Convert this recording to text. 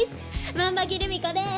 万場木留美子です！